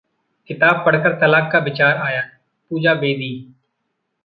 किताब पढ़कर तलाक का विचार आया: पूजा बेदी